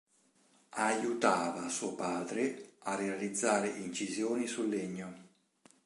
Aiutava suo padre a realizzare incisioni su legno.